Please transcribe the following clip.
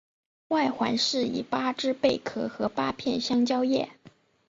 外环饰以八只贝壳和八片香蕉叶。